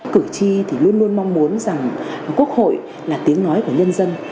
cử tri thì luôn luôn mong muốn rằng quốc hội là tiếng nói của nhân dân